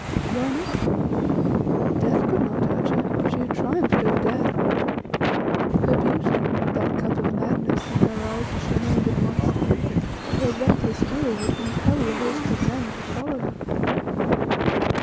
Why not? Death could not touch her; she had triumphed over death. Her beauty that "cup of madness" in her eyes, as she named it once to me and her reckless will would compel the hosts of men to follow her.